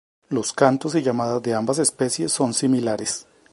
Los cantos y llamadas de ambas especies son similares.